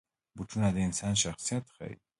بوټونه د انسان شخصیت ښيي.